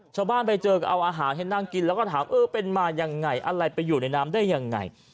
ชาวบ้านไปเจอก็เอาอาหารให้นั่งกินแล้วก็ถามเออเป็นมายังไงอะไรไปอยู่ในน้ำได้ยังไง